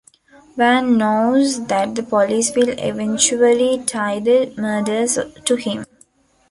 Vann knows that the police will eventually tie the murders to him.